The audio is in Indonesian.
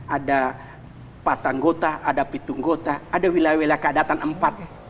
ada patang gota ada pitung gota ada wilayah wilayah keadatan empat